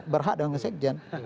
berhak dengan sekjen